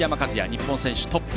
日本選手トップ。